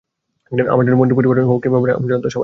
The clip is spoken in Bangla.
আমার জন্য মন্ত্রীর পরিবার হোক কিংবা আমজনতা সবাই এক।